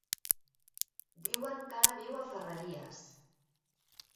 Diuen que ara viu a Ferreries.